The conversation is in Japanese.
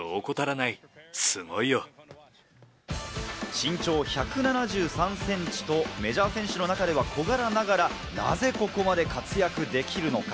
身長１７３センチと、メジャー選手の中では小柄ながら、なぜここまで活躍できるのか？